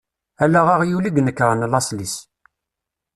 Ala aɣyul i i inekṛen laṣel-is.